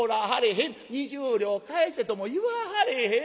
『２０両返せ』とも言わはれへん。